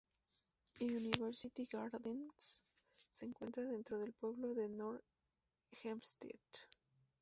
University Gardens se encuentra dentro del pueblo de North Hempstead.